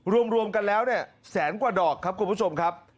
รวมกันแล้วเนี่ยแสนกว่าดอกครับคุณผู้ชมครับ